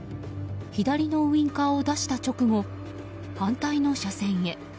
左のウインカーを出した直後反対の車線へ。